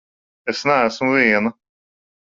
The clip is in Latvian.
Es neesmu viena!